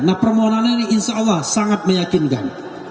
nah permohonan ini insya allah sangat meyakinkan